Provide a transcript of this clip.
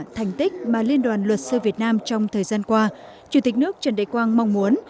thành tích mà liên đoàn luật sư việt nam trong thời gian qua chủ tịch nước trần đại quang mong muốn